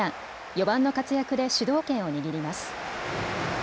４番の活躍で主導権を握ります。